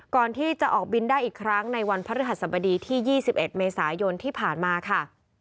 ก่อนที่จะออกบินได้อีกครั้งในวันพระฤหัสบดีที่๒๑เมษายนที่ผ่านมาค่ะ